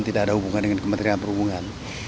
tidak ada hubungan dengan kementerian perhubungan